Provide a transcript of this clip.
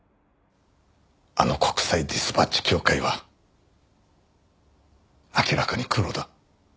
あの国際ディスパッチ協会は明らかにクロだ。